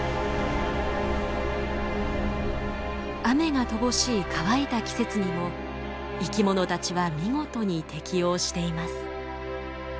雨が乏しい乾いた季節にも生き物たちは見事に適応しています。